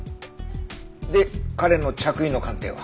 で彼の着衣の鑑定は？